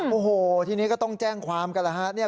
โอ้โหทีนี้ก็ต้องแจ้งความกันแล้วฮะ